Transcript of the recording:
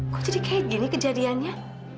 kok jadi kayak gini kejadiannya